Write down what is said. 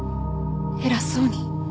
偉そうに。